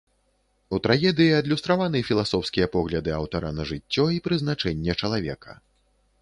У трагедыі адлюстраваны філасофскія погляды аўтара на жыццё і прызначэнне чалавека.